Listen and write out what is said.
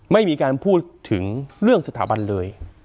ไม่มีการพูดถึงเรื่องสถาบันเลย